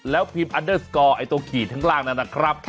แล้วพิมพ์อันเดอร์สกอร์ไอ้ตัวขี่ข้างล่างนั้นนะครับ